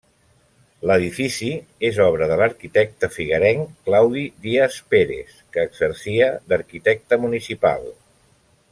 L'edifici és obra de l'arquitecte figuerenc Claudi Díaz Pérez, que exercia d'arquitecte municipal.